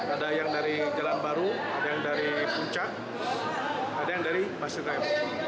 ada yang dari jalan baru ada yang dari puncak ada yang dari masjid raya